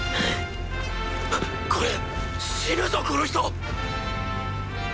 ハッこれ死ぬぞこの人！